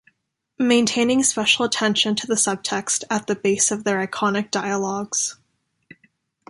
Maintaining special attention to the subtext at the base of their iconic dialogues.